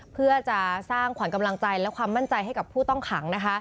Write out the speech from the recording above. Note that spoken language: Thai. เพื่อจะสร้างขวัญกำลังใจและความมั่นใจให้กับผู้ต้องขังนะคะ